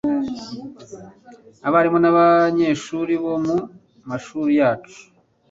abarimu nabanyeshuri bo mu mashuri yacu